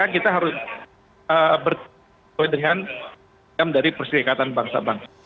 kita harus bertanggung jawab dengan persyaratan bangsa bangsa